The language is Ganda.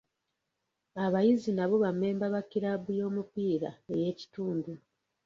Abayizi nabo ba mmemba ba kiraabu y'omupiira ey'ekitundu.